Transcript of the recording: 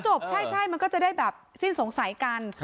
จบใช่มันก็จะได้แบบสิ้นสงสัยกัน